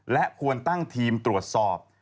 และควรตั้งทีมตรวจสอบ